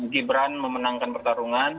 gibran memenangkan pertarungan